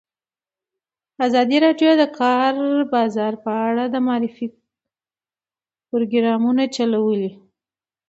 ازادي راډیو د د کار بازار په اړه د معارفې پروګرامونه چلولي.